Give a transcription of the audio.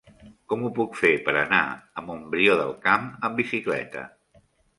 Com ho puc fer per anar a Montbrió del Camp amb bicicleta?